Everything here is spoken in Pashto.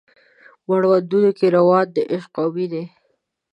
مړوندونو کې روان د عشق او میینې